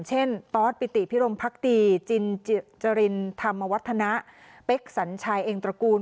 ตอสปิติพิรมพักดีจินจรินธรรมวัฒนะเป๊กสัญชัยเองตระกูล